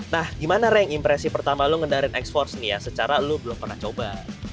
nah gimana rank impresi pertama lo ngendariin exforce nih ya secara lo belum pernah coba